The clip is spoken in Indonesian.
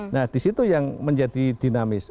nah di situ yang menjadi dinamis